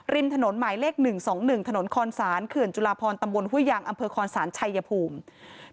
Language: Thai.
ริมถนนหมายเลข๑๒๑ถนนคอนศาลเขื่อนจุลาพรตำบลห้วยยางอำเภอคอนศาลชัยภูมิ